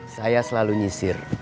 saya selalu nyisir